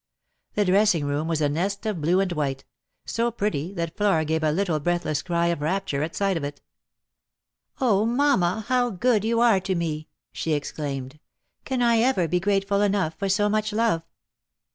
The dressing room was a nest of blue and white — so pretty that Flora gave a little breathless cry of rapture at sight of it. " mamma, how good you are to me! " she exclaimed. " Can I ever be grateful enough for so much love?"